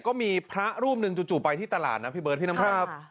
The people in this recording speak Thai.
ก็มีพระรูปหนึ่งจู่ไปที่ตลาดนะพี่เบิร์ดพี่น้ำแข็งครับ